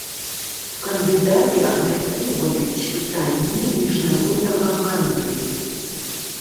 Кандыдаты абмяркоўваюць пытанні міжнароднага гандлю.